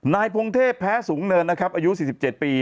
พงเทพแพ้สูงเนินนะครับอายุ๔๗ปี